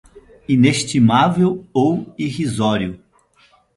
inestimável ou irrisório